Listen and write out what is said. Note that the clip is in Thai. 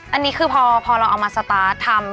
อันนี้คือพอเราเอามาสตาร์ททำ